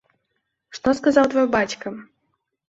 Што сказаў твой бацька?